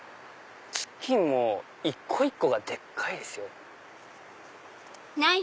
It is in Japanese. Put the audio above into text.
チキンも一個一個がでっかいですよ。